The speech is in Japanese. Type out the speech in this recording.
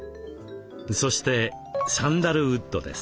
そしてサンダルウッドです。